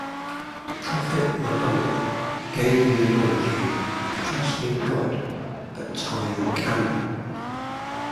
The Prophet Muhammad gave the analogy "Trust in God, but tie your camel.".